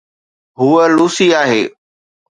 هوءَ لوسي آهي